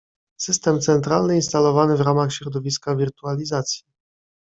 System centralny instalowany w ramach środowiska wirtualizacji